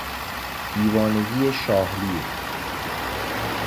دیوانگی شاه لیر